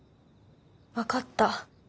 分かった。